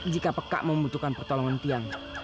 jika peka membutuhkan pertolongan tiang